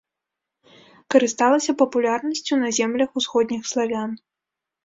Карысталася папулярнасцю на землях усходніх славян.